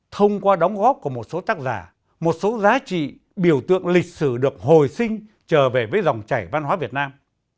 thông qua đóng góp của một số tác giả một số giá trị biểu tượng lịch sử được hồi sinh trở về với dòng chảy văn hóa việt nam